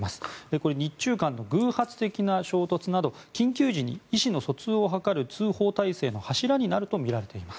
これは日中間の偶発的な衝突など緊急時に意思の疎通を図るための通報体制の柱になるとみられています。